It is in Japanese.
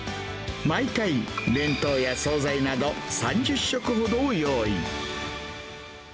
毎回、弁当や総菜など３０食ほどを用意。